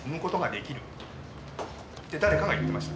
って誰かが言ってました。